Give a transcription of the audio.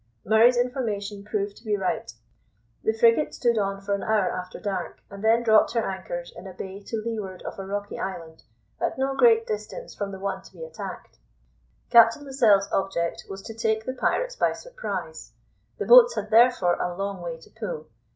Murray's information proved to be right. The frigate stood on for an hour after dark, and then dropped her anchors in a bay to leeward of a rocky island, at no great distance from the one to be attacked. Captain Lascelles' object was to take the pirates by surprise. The boats had, therefore, a long way to pull.